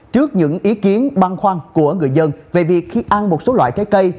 trước những ý kiến băn khoăn của người dân về việc khi ăn một số loại trái cây